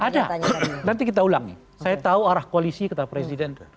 ada nanti kita ulangi saya tahu arah koalisi ketat presiden